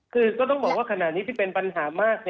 คือก็ต้องบอกว่าขณะนี้ที่เป็นปัญหามาก